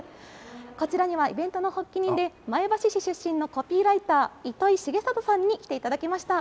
こちらにはイベントの発起人で、前橋市出身のコピーライター、糸井重里さんに来ていただきました。